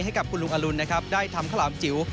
ให้กับคุณลุงอรุณนะครับได้ทำข้าวหลามจิ๋ว